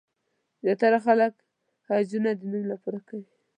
زیاتره خلک حجونه د نوم لپاره کوي.